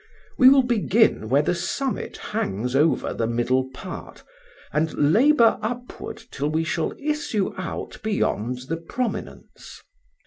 We will begin where the summit hangs over the middle part, and labour upward till we shall issue out beyond the prominence."